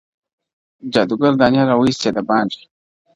جادوګر دانې را وایستې دباندي؛